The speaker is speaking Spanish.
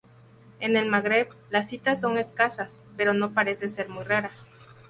En el Magreb las citas son escasas, pero no parece ser muy rara.